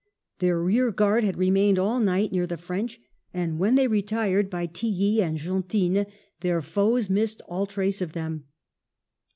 Their rear guard had remained all night near the French, and when they retired by Tilly and Gentinnes, their foes missed all trace of them.